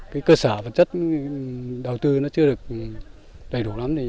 cái cơ sở vật chất đầu tư nó chưa được đầy đủ lắm